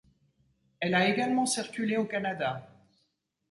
Elle a également circulé au Canada.